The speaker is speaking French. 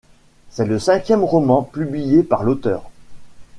C'est le cinquième roman publié par l'auteur.